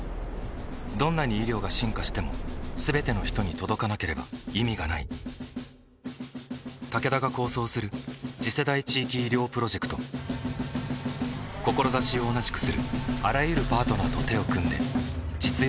どんなに医療が進化しても全ての人に届かなければ意味がないタケダが構想する次世代地域医療プロジェクト志を同じくするあらゆるパートナーと手を組んで実用化に挑む